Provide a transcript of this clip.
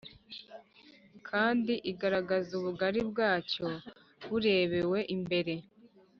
kandi igaragaza ubugari bwacyo burebewe imbere.